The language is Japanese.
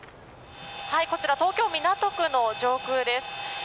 こちら東京・港区の上空です。